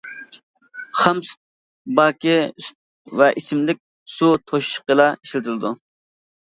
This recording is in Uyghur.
خام سۈت باكى سۈت ۋە ئىچىملىك سۇ توشۇشقىلا ئىشلىتىلىدۇ.